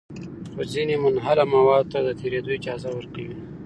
خو ځینې منحله موادو ته د تېرېدو اجازه ورکوي.